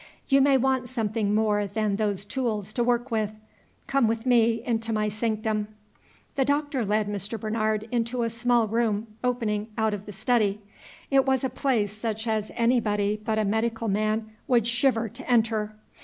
"You may want something more than those tools to work with. Come with me into my sanctum." The Doctor led Mr. Bernard into a small room opening out of the study. It was a place such as anybody but a medical man would shiver to enter.